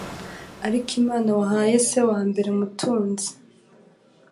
ariko impano wahaye se wambere umutunzi